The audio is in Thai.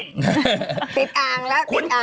ติดอ้างละ